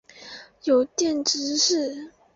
友庙执事。